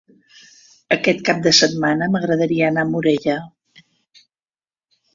Aquest cap de setmana m'agradaria anar a Morella.